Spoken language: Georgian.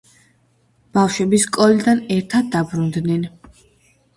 ბავშვები სკოლიდან ერთად დაბრუნდნენ.